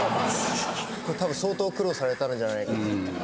これ多分相当苦労されたんじゃないかっていう。